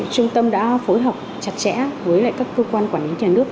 trung tâm đã phối hợp chặt chẽ với các cơ quan quản lý nhà nước